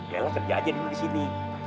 lela kerja aja di sini